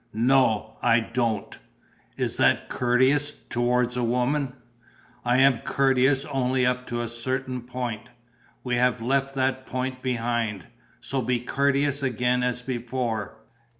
"No, I don't!" "Is that courteous, towards a woman?" "I am courteous only up to a certain point." "We have left that point behind. So be courteous again as before."